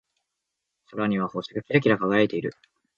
空には星がキラキラ輝いている。